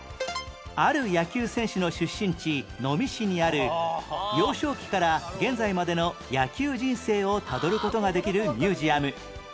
ある野球選手の出身地能美市にある幼少期から現在までの野球人生をたどる事ができるミュージアム